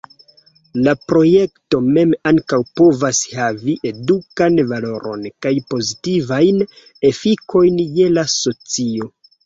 La projekto mem ankaŭ povas havi edukan valoron kaj pozitivajn efikojn je la socio.